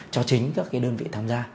cho chính các cái đơn vị tham gia